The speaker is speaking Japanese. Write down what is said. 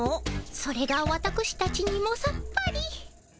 それがわたくしたちにもさっぱり。